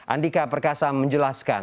andika perkasa menjelaskan